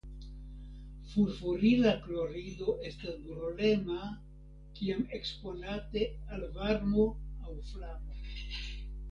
Furfurila klorido estas brulema kiam eksponate al varmo aŭ flamo.